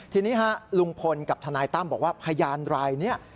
ทีนี้ค่ะลุงพลกับทนายต้ำบอกว่าพยานรายเนี่ย